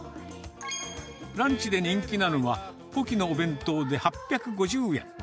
ランチで人気なのが、ポキのお弁当で８５０円。